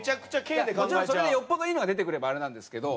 もちろんそれでよっぽどいいのが出てくればあれなんですけど。